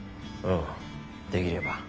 うんできれば。